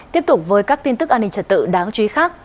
tiếp tục với các tin tức an ninh trật tự đáng chú ý khác